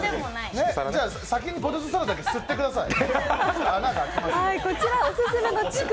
じゃあ、先にポテトサラダだけ吸ってください。